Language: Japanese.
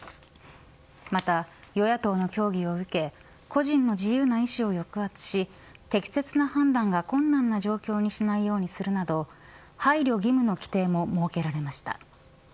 また、与野党の協議を受け個人の自由な意思を抑圧し適切な判断が困難な状況にしないようにするなど配慮義務の規定も設けられました。